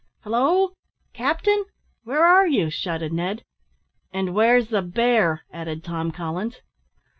"Halloo! captain, where are you?" shouted Ned. "And where's the bear!" added Tom Collins.